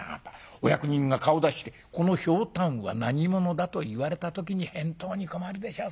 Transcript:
お役人が顔を出してこのひょうたんは何物だと言われた時に返答に困るでしょう。